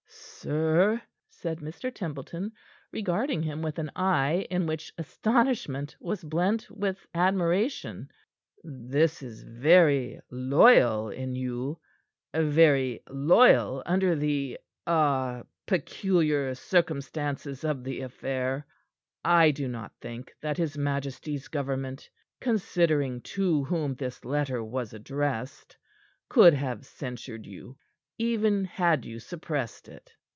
"Sir," said Mr. Templeton, regarding him with an eye in which astonishment was blent with admiration, "this is very loyal in you very loyal under the ah peculiar circumstances of the affair. I do not think that his majesty's government, considering to whom this letter was addressed, could have censured you even had you suppressed it.